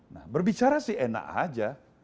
nah berbicara sih enak aja